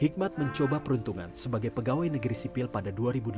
hikmat mencoba peruntungan sebagai pegawai negeri sipil pada dua ribu delapan belas